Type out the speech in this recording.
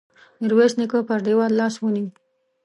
ميرويس نيکه پر دېوال لاس ونيو.